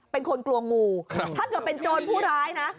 เป็นคนกลัวงูถ้าเกิดเป็นโจรผู้ร้ายนะ